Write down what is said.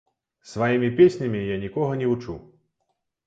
Сваімі песнямі я нікога не вучу.